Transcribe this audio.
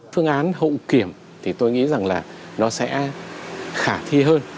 phương án hậu kiểm thì tôi nghĩ rằng là nó sẽ khả thi hơn